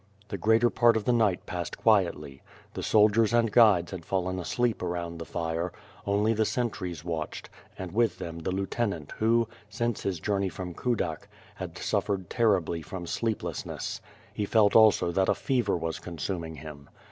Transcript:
The greater part of the night passed quietly. The soldiers and guides had fallen asleep around the fire; only the sen tries watched, and with them the lieutenant who, since his journey from Kudak, had suffered terribly from sleeplessness. He felt also that a fever was consuming him.